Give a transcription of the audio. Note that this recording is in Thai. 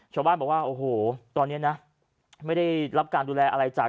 ชาวบ้านบอกว่าโอ้โหตอนนี้นะไม่ได้รับการดูแลอะไรจาก